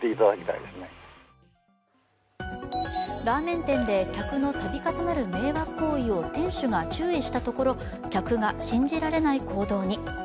ラーメン店で客の度重なる迷惑行為を店主が注意したところ、客が信じられない行動に。